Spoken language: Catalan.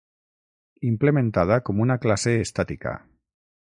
Implementada com una classe estàtica.